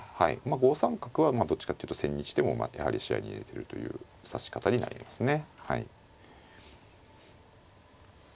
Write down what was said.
５三角はどっちかっていうと千日手もやはり視野に入れてるという指し方になりますね。